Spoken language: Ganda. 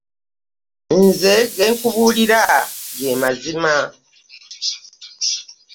Nze kye nkubuulira ge mazima.